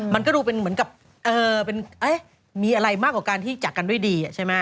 มันก็ดูเป็นเหมือนกับมีอะไรมากกว่าการที่จากกันด้วยดีใช่ไหม